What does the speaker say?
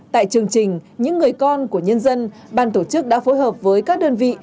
tại chương trình những người con của nhân dân ban tổ chức đã phối hợp với các đơn vị